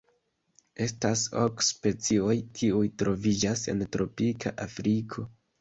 Estas ok specioj kiuj troviĝas en tropika Afriko.